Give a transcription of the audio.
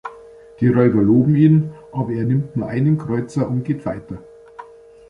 Die Räuber loben ihn, aber er nimmt nur einen Kreuzer und geht weiter.